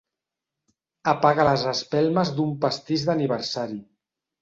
Apaga les espelmes d'un pastís d'aniversari.